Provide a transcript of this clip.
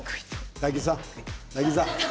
大吉さん